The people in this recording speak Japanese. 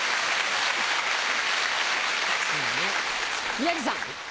宮治さん。